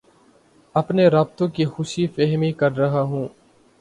اپنے رابطوں کی خوش فہمی کررہا ہوں